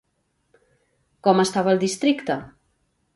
Com estava el districte?